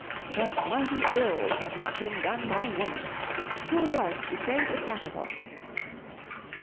'What mighty ills have not been done by Woman! Who was't betrayed the Capitol....